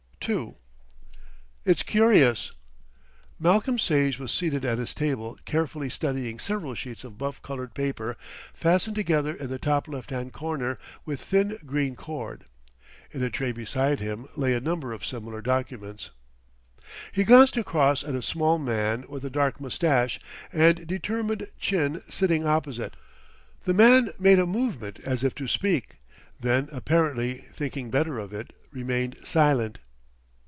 II "It's curious." Malcolm Sage was seated at his table carefully studying several sheets of buff coloured paper fastened together in the top left hand corner with thin green cord. In a tray beside him lay a number of similar documents. He glanced across at a small man with a dark moustache and determined chin sitting opposite. The man made a movement as if to speak, then apparently thinking better of it, remained silent.